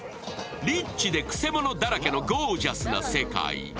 リッチでくせ者だらけのゴージャスな世界。